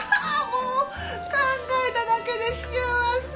もう考えただけで幸せ。